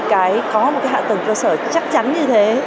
có một hạ tầng cơ sở chắc chắn như thế